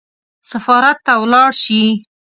سفارت ته ولاړ شي.